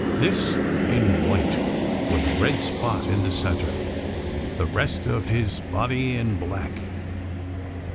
This in white, with a red spot in the centre the rest of his body in black."